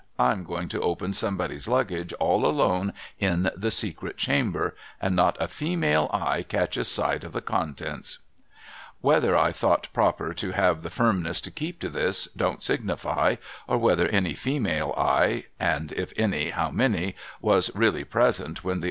I'm going to open Somebody's Luggage all alone in the Secret Chamber, and not a female eye catches sight of the contents ■' A PROFITABLE INVESTMENT 289 Whether I thought proper to have the firmness to keep to this, don't signify, or whether any female eye, and if any, how many, was really present when the